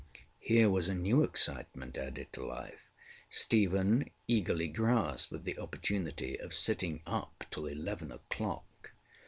ŌĆØ Here was a new excitement added to life: Stephen eagerly grasped at the opportunity of sitting up till eleven oŌĆÖclock.